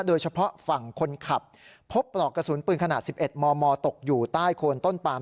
โดยเฉพาะฝั่งคนขับพบปลอกกระสุนปืนขนาด๑๑มมตกอยู่ใต้โคนต้นปาม